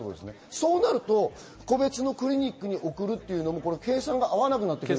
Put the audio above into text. そうすると個別のクリニックに送るというのも計算が合わなくなる。